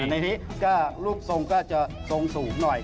อันนี้ลูกทรงก็จะทรงสูงหน่อย